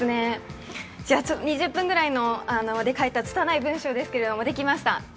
２０分ぐらいで書いたつたない文章ですけど、できました。